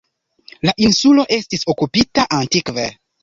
La insulo estis okupita antikve.